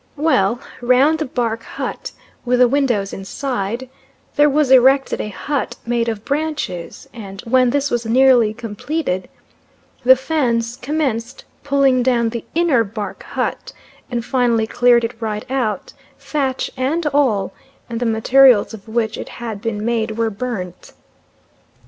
Well, round the bark hut, with the widows inside, there was erected a hut made of branches, and when this was nearly completed, the Fans commenced pulling down the inner bark hut, and finally cleared it right out, thatch and all, and the materials of which it had been made were burnt.